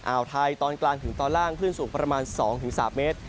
อ่าวไทยตอนกลางถึงตอนล่างคลื่นสูงประมาณ๒๓เมตร